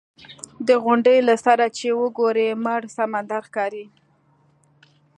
د غونډۍ له سره چې وګورې مړ سمندر ښکاري.